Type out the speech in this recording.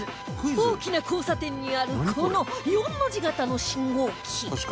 大きな交差点にあるこの４の字型の信号機